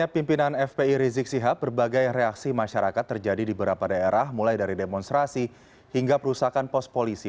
pimpinan fpi rizik sihab berbagai reaksi masyarakat terjadi di beberapa daerah mulai dari demonstrasi hingga perusakan pos polisi